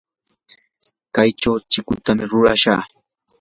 kaychaw chikutam rurashaq.